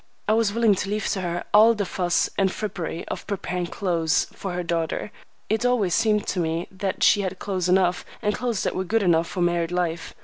I was willing to leave to her all the fuss and frippery of preparing clothes for her daughter. It always seemed to me that she had clothes enough, and clothes that were good enough for married life.